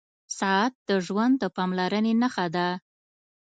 • ساعت د ژوند د پاملرنې نښه ده.